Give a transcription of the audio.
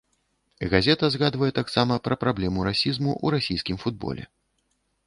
Газета згадвае таксама пра праблему расізму ў расійскім футболе.